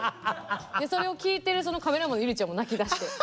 それを聞いてるカメラマンの友莉ちゃんも泣きだして。